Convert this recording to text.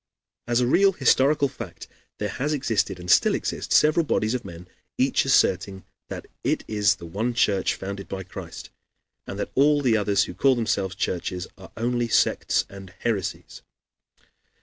As a real historical fact there has existed, and still exist, several bodies of men, each asserting that it is the one Church, founded by Christ, and that all the others who call themselves churches are only sects and heresies.